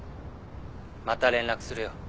また連絡するよ。